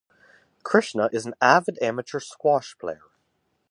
Krishna is an avid amateur squash player.